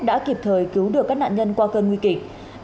đã kịp thời cứu được các nạn nhân qua cơn nguy kịch